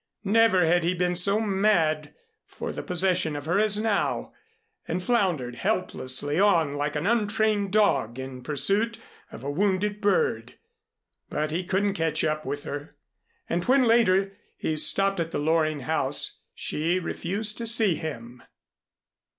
Never had he been so mad for the possession of her as now, and floundered helplessly on like an untrained dog in pursuit of a wounded bird. But he couldn't catch up with her. And when, later, he stopped at the Loring house, she refused to see him.